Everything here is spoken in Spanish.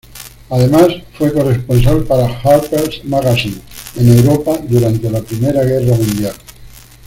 Además, fue corresponsal para Harper`s Magazine en Europa durante la Primera Guerra Mundial.